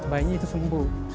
bayinya itu sembuh